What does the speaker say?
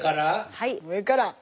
はい上から。